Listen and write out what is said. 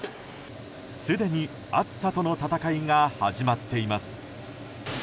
すでに暑さとの闘いが始まっています。